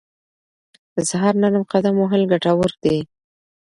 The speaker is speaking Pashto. د سهار نرم قدم وهل ګټور دي.